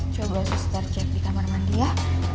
coba suster cek di kamar mandi ya